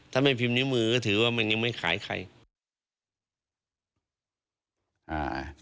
ถ้าไม่พิมพ์นิ้วมือก็ถือว่ามันยังไม่ขายใคร